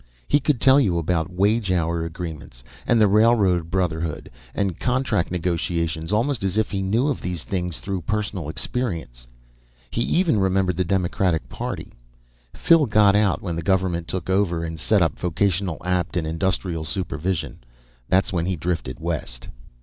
He could tell you about wage hour agreements and the Railroad Brotherhood and contract negotiations almost as if he knew of these things through personal experience. He even remembered the Democratic Party. Phil got out when the government took over and set up Vocational Apt and Industrial Supervision; that's when he drifted west.